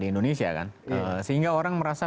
di indonesia kan sehingga orang merasa